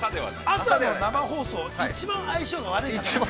◆朝の生放送、一番相性が悪いから。